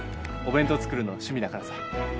お弁当作るの趣味だからさ。